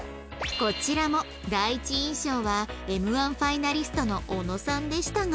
こちらも第一印象は Ｍ−１ ファイナリストの小野さんでしたが